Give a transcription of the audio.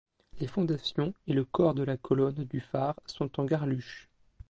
Les fondations et le corps de la colonne du phare sont en garluche.